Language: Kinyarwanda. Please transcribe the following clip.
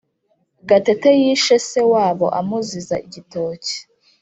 Gatete yishe se wabo amuziza igitoki